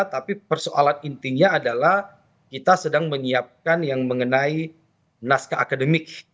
tapi persoalan intinya adalah kita sedang menyiapkan yang mengenai naskah akademik